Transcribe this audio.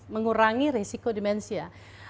mengurangi risiko dimensia